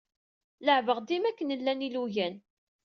Leɛɛbeɣ dima akken llan ilugan.